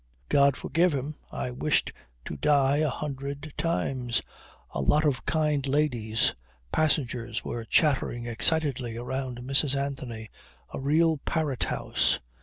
God forgive him. I wished to die a hundred times. A lot of kind ladies, passengers, were chattering excitedly around Mrs. Anthony a real parrot house.